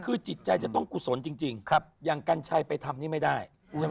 คือจิตใจจะต้องกุศลจริงอย่างกัญชัยไปทำนี่ไม่ได้ใช่ไหม